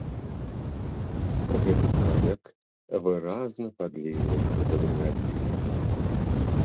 Гэты чалавек выразна падлізваўся да брыгадзіра.